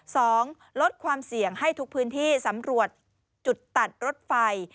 ลดความเสี่ยงให้ทุกพื้นที่สำรวจจุดตัดรถไฟ